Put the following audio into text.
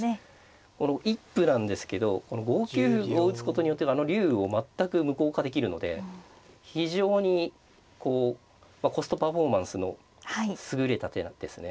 この一歩なんですけどこの５九歩を打つことによってあの竜を全く無効化できるので非常にこうコストパフォーマンスの優れた手なんですね。